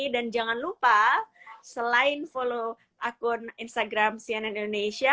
dan jangan lupa selain follow akun instagram cnn indonesia